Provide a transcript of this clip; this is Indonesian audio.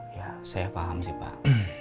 ya saya paham sih pak